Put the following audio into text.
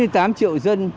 chín mươi tám triệu dân